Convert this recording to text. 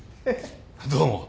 どうも。